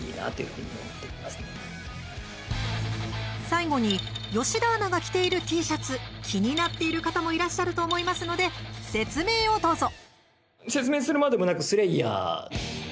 最後に吉田アナが着ているＴシャツ気になっている方もいらっしゃると思いますので説明をどうぞ。